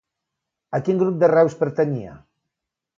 A quin grup de Reus pertanyia?